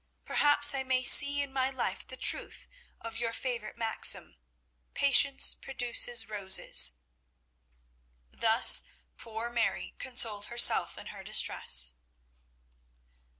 Perhaps I may see in my life the truth of your favourite maxim 'Patience produces roses.'" Thus poor Mary consoled herself in her distress.